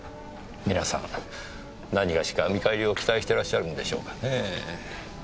皆さんなにがしか見返りを期待してらっしゃるんでしょうかねぇ。